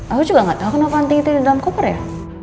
aku juga gak tau kenapa anting itu ada di dalam koper ya